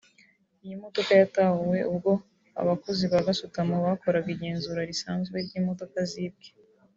Iyi modoka yatahuwe ubwo abakozi ba gasutamo bakoraga igenzura risanzwe ry’imodoka zibwe